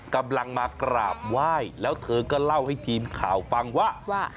กำลังมากราบไหว้แล้วเธอก็เล่าให้ทีมข่าวฟังว่าว่า